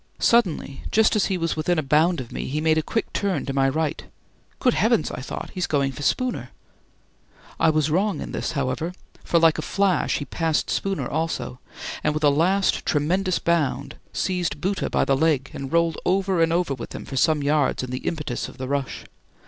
Suddenly, just as he was within a bound of me, he made a quick turn, to my right. "Good heavens," I thought, "he is going for Spooner." I was wrong in this, however, for like a flash he passed Spooner also, and with a last tremendous bound seized Bhoota by the leg and rolled over and over with him for some yards in the impetus of the rush.